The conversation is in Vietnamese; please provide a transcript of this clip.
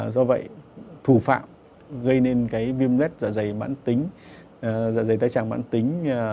do vậy thủ phạm gây nên cái viêm rết dạ dày mãn tính dạ dày tay chàng mãn tính